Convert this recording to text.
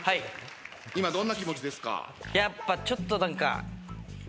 今どんな気持ちですか？